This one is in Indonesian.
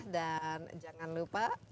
dan jangan lupa